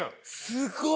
すごい！